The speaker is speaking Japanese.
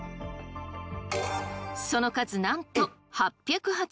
その数なんと８８５！